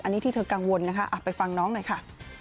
อันนี้ที่เธอกังวลนะคะไปฟังน้องหน่อยค่ะ